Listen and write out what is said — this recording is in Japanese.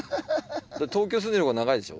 東京住んでる方が長いでしょ？